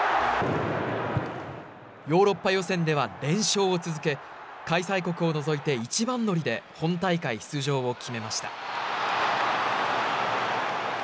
ヨーロッパ予選では連勝を続け開催国を除いて一番乗りで本大会出場を決めました。